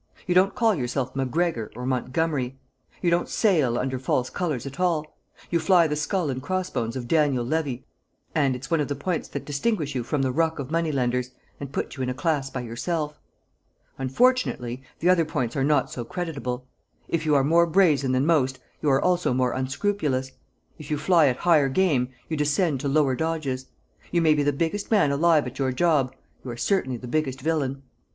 You don't call yourself MacGregor or Montgomery. You don't sail under false colours at all. You fly the skull and crossbones of Daniel Levy, and it's one of the points that distinguish you from the ruck of money lenders and put you in a class by yourself. Unfortunately, the other points are not so creditable. If you are more brazen than most you are also more unscrupulous; if you fly at higher game, you descend to lower dodges. You may be the biggest man alive at your job; you are certainly the biggest villain."